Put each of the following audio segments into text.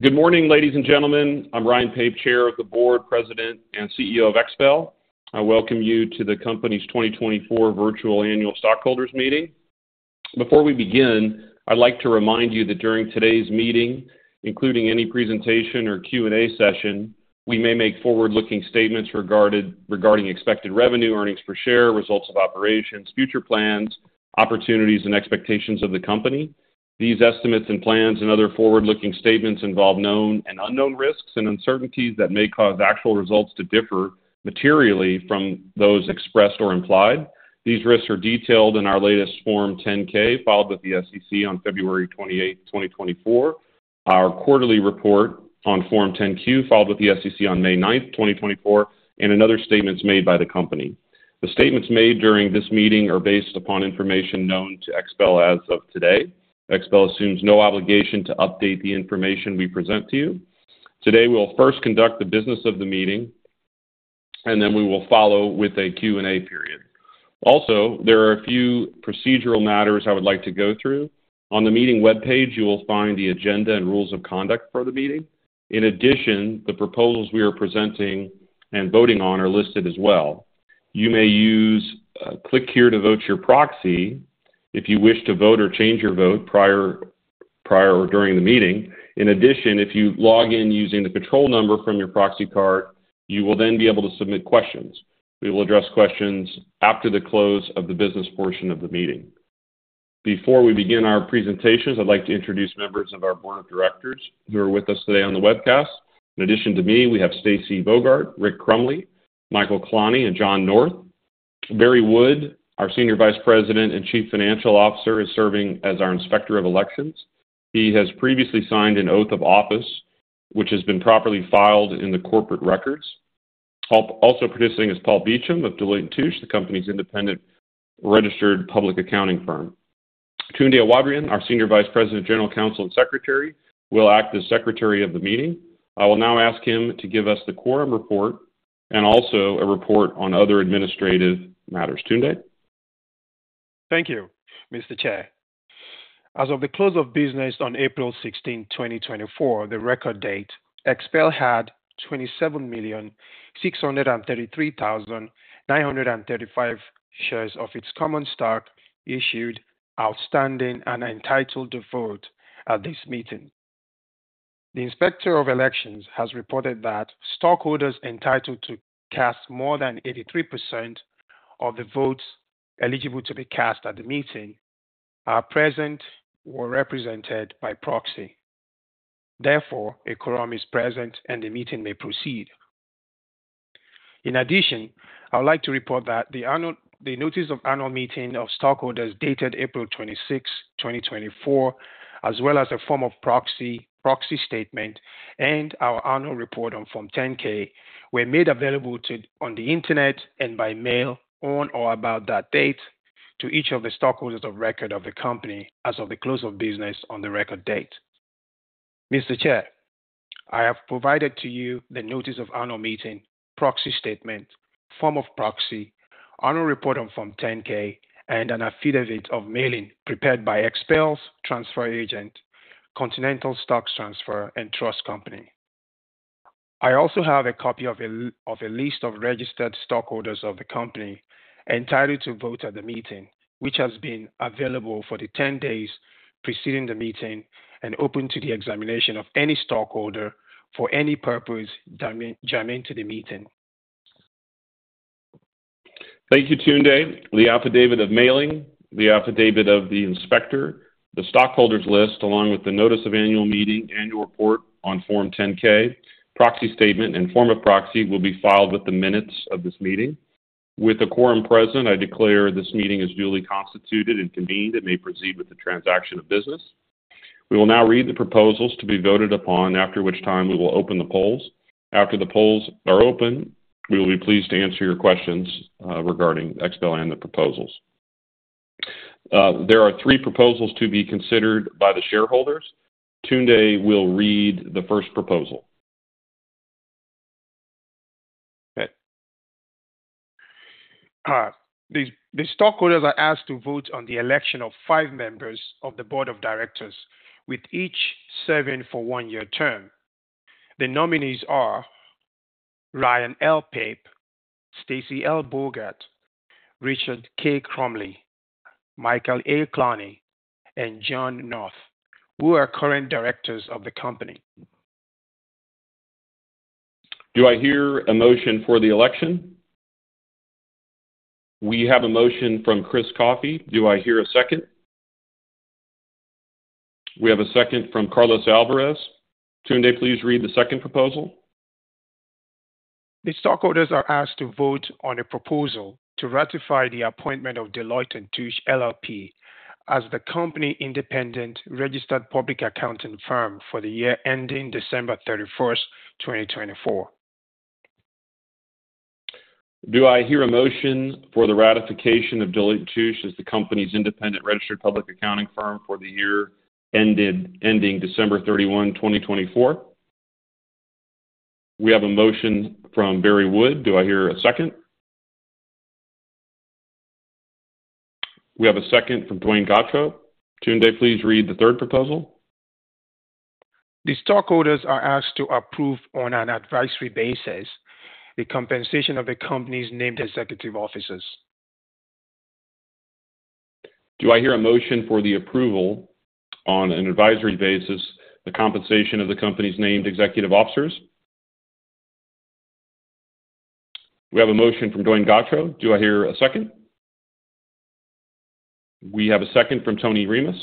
Good morning, ladies and gentlemen. I'm Ryan Pape, Chair of the Board, President, and CEO of XPEL. I welcome you to the company's 2024 Virtual Annual Stockholders Meeting. Before we begin, I'd like to remind you that during today's meeting, including any presentation or Q&A session, we may make forward-looking statements regarding expected revenue, earnings per share, results of operations, future plans, opportunities, and expectations of the company. These estimates and plans and other forward-looking statements involve known and unknown risks and uncertainties that may cause actual results to differ materially from those expressed or implied. These risks are detailed in our latest Form 10-K, filed with the SEC on February 28, 2024, our quarterly report on Form 10-Q, filed with the SEC on May 9, 2024, and in other statements made by the company. The statements made during this meeting are based upon information known to XPEL as of today. XPEL assumes no obligation to update the information we present to you. Today, we'll first conduct the business of the meeting, and then we will follow with a Q&A period. Also, there are a few procedural matters I would like to go through. On the meeting webpage, you will find the agenda and rules of conduct for the meeting. In addition, the proposals we are presenting and voting on are listed as well. You may use Click Here to Vote Your Proxy, if you wish to vote or change your vote prior or during the meeting. In addition, if you log in using the control number from your proxy card, you will then be able to submit questions. We will address questions after the close of the business portion of the meeting. Before we begin our presentations, I'd like to introduce members of our board of directors who are with us today on the webcast. In addition to me, we have Stacy Bogart, Rick Crumly, Michael Klonne, and John North. Barry Wood, our Senior Vice President and Chief Financial Officer, is serving as our Inspector of Elections. He has previously signed an oath of office, which has been properly filed in the corporate records. Also participating is Paul Beacham of Deloitte & Touche, the company's independent registered public accounting firm. Tunde Awodiran, our Senior Vice President, General Counsel, and Secretary, will act as secretary of the meeting. I will now ask him to give us the quorum report and also a report on other administrative matters. Tunde? Thank you, Mr. Chair. As of the close of business on April 16, 2024, the record date, XPEL had 27,633,935 shares of its common stock issued, outstanding, and entitled to vote at this meeting. The inspector of elections has reported that stockholders entitled to cast more than 83% of the votes eligible to be cast at the meeting are present or represented by proxy. Therefore, a quorum is present, and the meeting may proceed. In addition, I would like to report that the annual. The notice of annual meeting of stockholders dated April 26, 2024, as well as a form of proxy, proxy statement, and our annual report on Form 10-K, were made available to, on the internet and by mail on or about that date to each of the stockholders of record of the company as of the close of business on the record date. Mr. Chair, I have provided to you the notice of annual meeting, proxy statement, form of proxy, annual report on Form 10-K, and an affidavit of mailing prepared by XPEL's transfer agent, Continental Stock Transfer & Trust Company. I also have a copy of a list of registered stockholders of the company entitled to vote at the meeting, which has been available for the 10 days preceding the meeting and open to the examination of any stockholder for any purpose germane to the meeting. Thank you, Tunde. The affidavit of mailing, the affidavit of the inspector, the stockholders list, along with the notice of annual meeting, annual report on Form 10-K, proxy statement, and form of proxy, will be filed with the minutes of this meeting. With the quorum present, I declare this meeting is duly constituted and convened and may proceed with the transaction of business. We will now read the proposals to be voted upon, after which time we will open the polls. After the polls are open, we will be pleased to answer your questions regarding XPEL and the proposals. There are three proposals to be considered by the shareholders. Tunde will read the first proposal. Okay. The stockholders are asked to vote on the election of five members of the board of directors, with each serving for one-year term. The nominees are Ryan L. Pape, Stacy L. Bogart, Richard K. Crumly, Michael A. Klonne, and John North, who are current directors of the company. Do I hear a motion for the election? We have a motion from Chris Coffee. Do I hear a second? We have a second from Carlos Alvarez. Tunde, please read the second proposal. The stockholders are asked to vote on a proposal to ratify the appointment of Deloitte & Touche LLP as the company independent registered public accounting firm for the year ending December 31st, 2024. Do I hear a motion for the ratification of Deloitte & Touche as the company's independent registered public accounting firm for the year ending December 31, 2024? We have a motion from Barry Wood. Do I hear a second? We have a second from Duane Gotro. Tunde, please read the third proposal. The stockholders are asked to approve on an advisory basis, the compensation of the company's named executive officers. Do I hear a motion for the approval on an advisory basis, the compensation of the company's named executive officers? We have a motion from Duane Gotro. Do I hear a second? We have a second from Tony Rimas.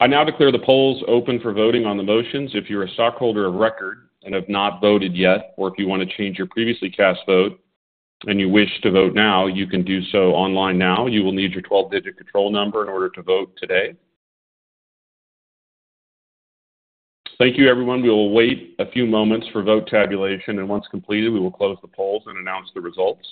I now declare the polls open for voting on the motions. If you're a stockholder of record and have not voted yet, or if you want to change your previously cast vote and you wish to vote now, you can do so online now. You will need your 12-digit control number in order to vote today. Thank you, everyone. We will wait a few moments for vote tabulation, and once completed, we will close the polls and announce the results.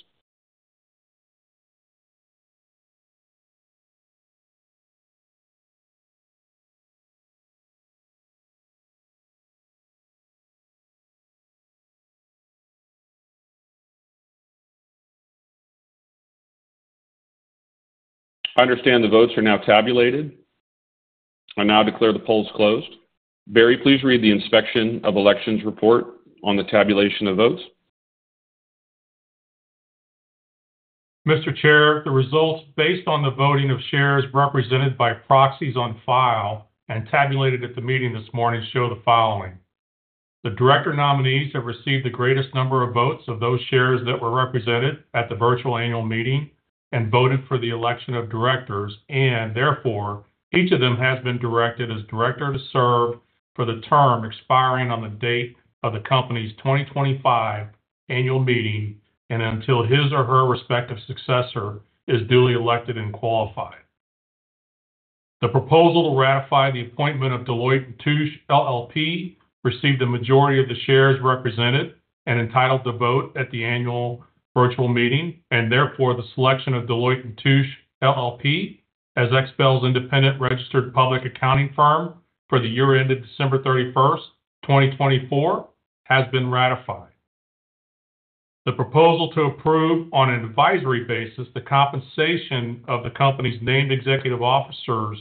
I understand the votes are now tabulated. I now declare the polls closed. Barry, please read the inspector of elections report on the tabulation of votes. Mr. Chair, the results based on the voting of shares represented by proxies on file and tabulated at the meeting this morning show the following: The director nominees have received the greatest number of votes of those shares that were represented at the virtual annual meeting and voted for the election of directors, and therefore, each of them has been directed as director to serve for the term expiring on the date of the company's 2025 annual meeting, and until his or her respective successor is duly elected and qualified. The proposal to ratify the appointment of Deloitte & Touche LLP received a majority of the shares represented and entitled to vote at the annual virtual meeting, and therefore the selection of Deloitte & Touche LLP, as XPEL's independent registered public accounting firm for the year ended December 31, 2024, has been ratified. The proposal to approve, on an advisory basis, the compensation of the company's named executive officers,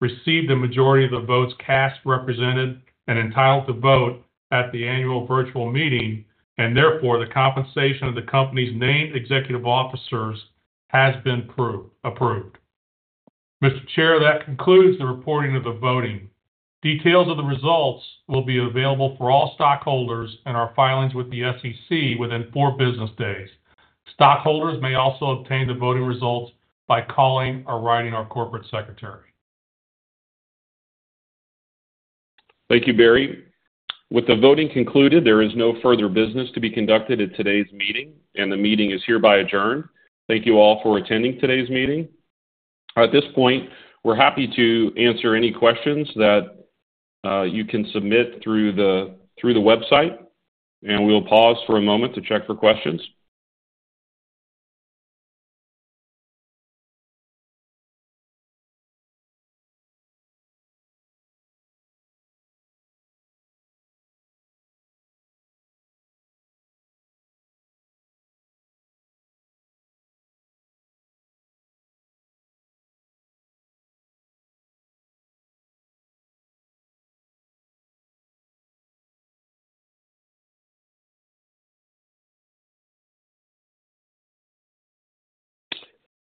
received the majority of the votes cast, represented, and entitled to vote at the annual virtual meeting, and therefore, the compensation of the company's named executive officers has been approved, approved. Mr. Chair, that concludes the reporting of the voting. Details of the results will be available for all stockholders and our filings with the SEC within four business days. Stockholders may also obtain the voting results by calling or writing our corporate secretary. Thank you, Barry. With the voting concluded, there is no further business to be conducted at today's meeting, and the meeting is hereby adjourned. Thank you all for attending today's meeting. At this point, we're happy to answer any questions that you can submit through the website, and we'll pause for a moment to check for questions.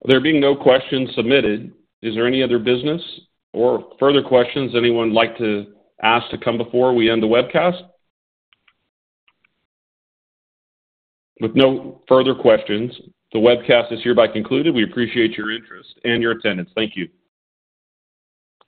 There being no questions submitted, is there any other business or further questions anyone would like to ask to come before we end the webcast? With no further questions, the webcast is hereby concluded. We appreciate your interest and your attendance. Thank you.